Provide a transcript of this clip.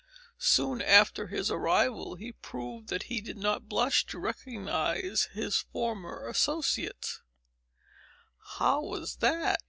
Soon after his arrival, he proved that he did not blush to recognize his former associates." "How was that?"